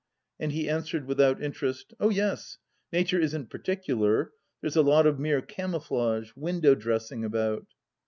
and he answered, without interest: "Oh yes. Nature isn't particular. There's a lot of mere camou flage — ^window dressing about.